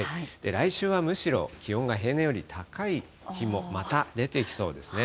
来週はむしろ、気温が平年より高い日もまた出てきそうですね。